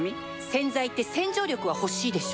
洗剤って洗浄力は欲しいでしょ